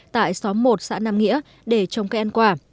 tại xóm một xã nam nghĩa để trồng cây ăn quả